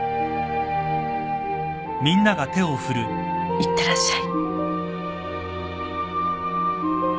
いってらっしゃい。